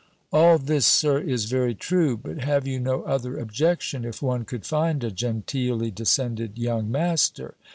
"All this, Sir, is very true. But have you no other objection, if one could find a genteely descended young Master?